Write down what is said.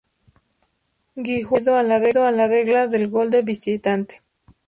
Guijuelo debido a la regla del gol de visitante.